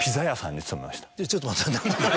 いやちょっと待って。